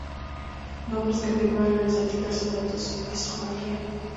Nombres que figuran en las etiquetas de toda su discografía.